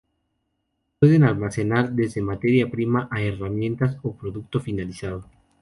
Pueden almacenar desde materia prima, a herramientas o producto finalizado.